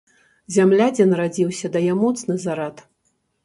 Зямля, дзе нарадзіўся, дае моцны зарад.